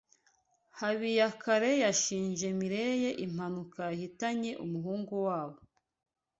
Habiyakare yashinje Mirelle impanuka yahitanye umuhungu wabo.